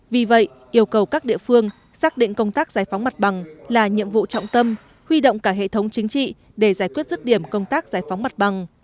vì vậy yêu cầu các địa phương xác định công tác giải phóng mặt bằng là nhiệm vụ trọng tâm huy động cả hệ thống chính trị để giải quyết rứt điểm công tác giải phóng mặt bằng